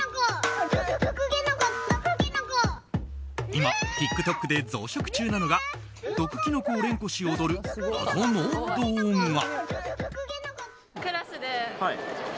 今、ＴｉｋＴｏｋで増殖中なのが毒きのこを連呼し踊る謎の動画。